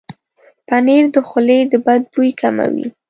پنېر د خولې د بد بوي کموي.